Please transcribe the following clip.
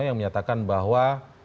yang menyatakan bahwa